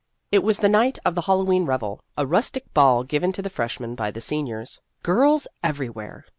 It was the night of the Hallow e'en revel a rustic ball given to the freshmen by the seniors. Girls everywhere